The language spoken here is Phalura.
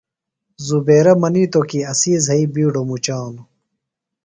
زبیرہ منِیتوۡ کی اسی زھئی بِیڈوۡ مُچانُوۡ۔